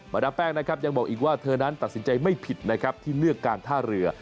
ดามแป้งนะครับยังบอกอีกว่าเธอนั้นตัดสินใจไม่ผิดนะครับที่เลือกการท่าเรือ